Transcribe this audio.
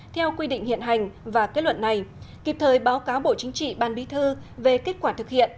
theo quy định hiện hành và kết luận này kịp thời báo cáo bộ chính trị ban bí thư về kết quả thực hiện